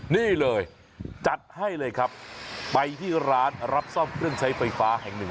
นี่เลยจัดให้เลยครับไปที่ร้านรับซ่อมเครื่องใช้ไฟฟ้าแห่งหนึ่ง